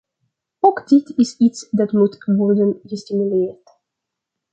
Ook dit is iets dat moet worden gestimuleerd.